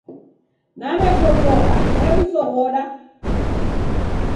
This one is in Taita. Naw'epotoka hebu soghoda